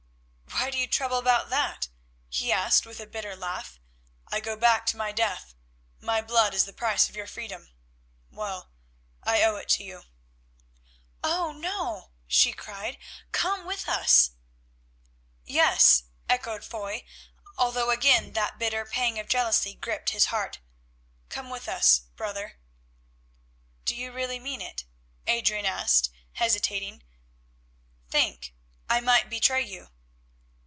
"Why do you trouble about that?" he asked with a bitter laugh. "I go back to my death, my blood is the price of your freedom. Well, I owe it to you." "Oh! no," she cried, "come with us." "Yes," echoed Foy, although again that bitter pang of jealousy gripped his heart, "come with us—brother." "Do you really mean it?" Adrian asked, hesitating. "Think, I might betray you."